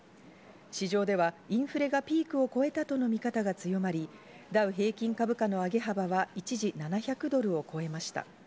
市場ではインフレがピークを超えたとの見方が強まり、ダウ平均株価の上げ幅は一時７００ドルを超えました。